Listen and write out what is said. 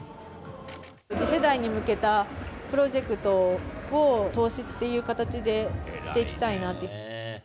次世代に向けたプロジェクトを、投資っていう形でしていきたいなって。